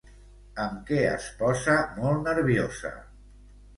Amb què es posa molt nerviosa?